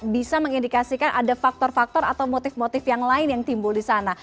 bisa mengindikasikan ada faktor faktor atau motif motif yang lain yang timbul di sana